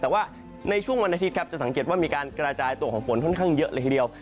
แต่ว่าในช่วงวันอาทิตย์ครับจะสังเกตว่ามีการกระจายตัวของฝนค่อนข้างเยอะเลยทีเดียว